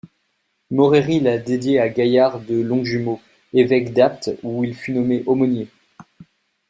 Moréri l'a dédié à Gaillard de Longjumeau, évêque d'Apt, où il fut nommé aumônier.